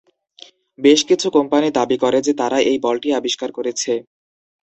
বেশ কিছু কোম্পানি দাবি করে যে তারা এই বলটি আবিষ্কার করেছে।